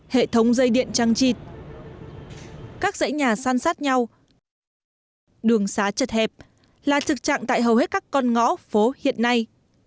hệ thống dây điện trăng trịt các dãy nhà san sát nhau đường xá chật hẹp là thực trạng tại hầu hết các con ngõ phố hiện nay